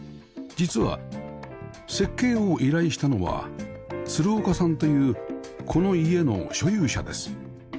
実は設計を依頼したのは鶴岡さんというこの家の所有者です